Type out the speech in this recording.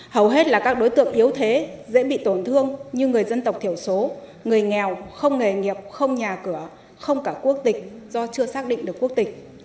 hầu hết là các đối tượng yếu thế dễ bị tổn thương như người dân tộc thiểu số người nghèo không nghề nghiệp không nhà cửa không cả quốc tịch do chưa xác định được quốc tịch